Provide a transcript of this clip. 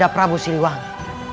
dan pada prabu siliwangi